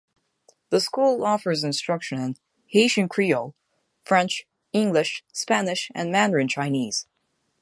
The school offers instruction in: Haitian Creole, French, English, Spanish, and Mandarin Chinese.